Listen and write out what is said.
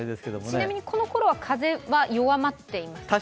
ちなみにこのころは風は弱まっていますか？